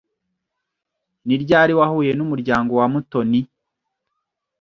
Ni ryari wahuye n'umuryango wa Mutoni?